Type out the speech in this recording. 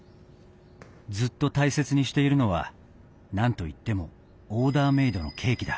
ずっと大切にしているのは何といってもオーダーメードのケーキだ。